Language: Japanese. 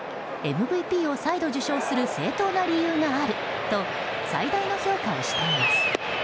ＭＶＰを再度受賞する正当な理由があると最大の評価をしています。